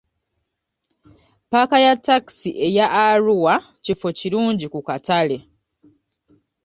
Paaka ya takisi eya Arua kifo kirungi ku katale.